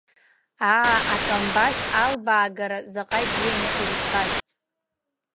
Аа, акамбашь албаагара заҟа ибзианы ирыӡбаз!